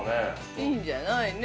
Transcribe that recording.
◆いいんじゃない。